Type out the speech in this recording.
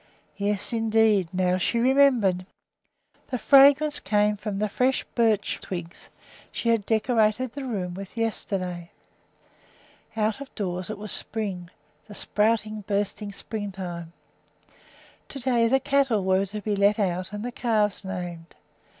Yes, indeed! now she remembered. The fragrance came from the fresh birch twigs she had decorated the room with yesterday. Out of doors it was spring, the sprouting, bursting springtime. To day the cattle were to be let out and the calves named.